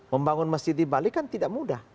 membangun masjid di bali kan tidak mudah